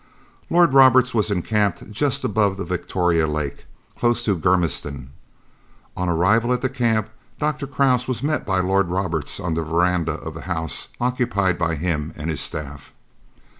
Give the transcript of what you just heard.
Lord Roberts was encamped just above the Victoria Lake, close to Germiston. On arrival at the camp Dr. Krause was met by Lord Roberts on the verandah of the house occupied by him and his staff.